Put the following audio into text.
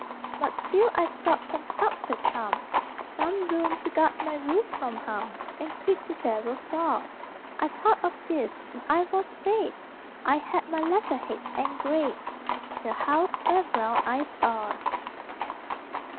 But still I sought some subtle charm, Some rune to guard my roof from harm And keep the devil far; I thought of this, and I was saved! I had my letter heads engraved _The House Where Brown Eyes Are.